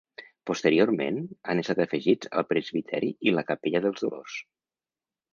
Posteriorment han estat afegits el presbiteri i la Capella dels Dolors.